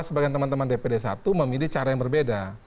sebagian teman teman dpd satu memilih cara yang berbeda